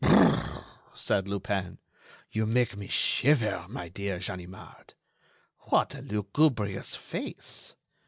"Brrr!" said Lupin, "you make me shiver, my dear Ganimard. What a lugubrious face!